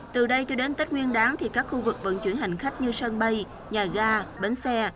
từ đây cho đến tết nguyên đáng thì các khu vực vận chuyển hành khách như sân bay nhà ga bến xe